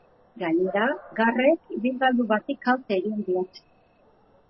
Gainera, garrek ibilgailu bati kalte egin diote.